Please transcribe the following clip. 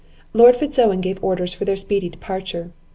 Lord Fitz Owen gave orders for their speedy departure.